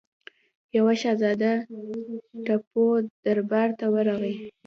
یوه شهزاده ټیپو دربار ته ورغی.